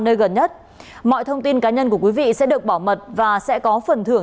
nơi gần nhất mọi thông tin cá nhân của quý vị sẽ được bảo mật và sẽ có phần thưởng